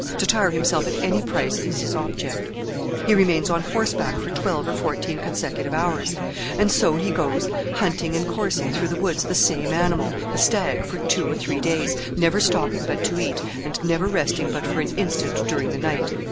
To tire himself at any price, is his object. He remains on horseback for twelve or fourteen consecutive hours; and so he goes hunting and coursing through the woods the same animal, the stag, for two or three days, never stopping but to eat, and never resting but for an instant during the night."